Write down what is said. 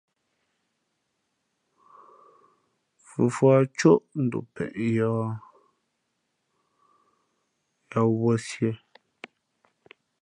Fufuά cóʼ ndom peʼe , yāā wūᾱ sīē.